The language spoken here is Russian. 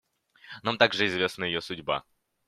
Нам также известна ее судьба.